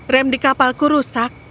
rem di kapalku rusak